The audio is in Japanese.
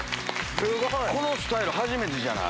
このスタイル初めてじゃない？